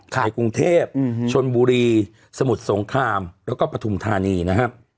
ในกรุงเทพชนบุรีสมุทรสงครามแล้วก็ปฐุมธานีนะครับ